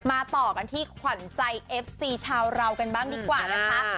ต่อกันที่ขวัญใจเอฟซีชาวเรากันบ้างดีกว่านะคะ